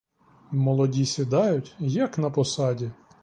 Молоді сідають, як на посаді.